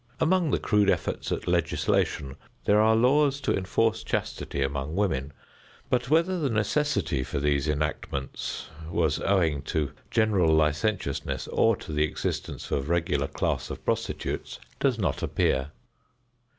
Among the crude efforts at legislation there are laws to enforce chastity among women, but whether the necessity for these enactments was owing to general licentiousness or to the existence of a regular class of prostitutes does not appear.